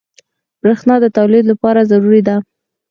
بریښنا د تولید لپاره ضروري ده.